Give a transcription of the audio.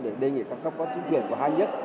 để đề nghị các cấp quán chứng kiến của hai nhất